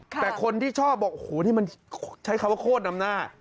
แต่คนที่ชอบบอกโอ้โหนี่มันใช้คำว่าโคตรนำหน้า